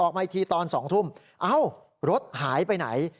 มาอีกทีตอน๒ทุ่มเอ้ารถหายไปไหน